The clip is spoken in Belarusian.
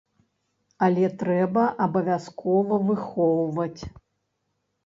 Але трэба абавязкова выхоўваць.